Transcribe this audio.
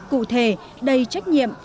cụ thể đầy trách nhiệm